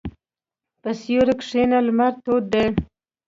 په سیوري کښېنه، لمر تود دی.